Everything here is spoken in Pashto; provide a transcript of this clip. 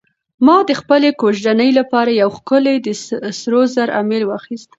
ما د خپلې کوژدنې لپاره یو ښکلی د سرو زرو امیل واخیست.